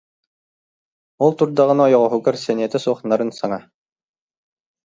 Ол турдаҕына ойоҕоһугар сэниэтэ суох нарын саҥа: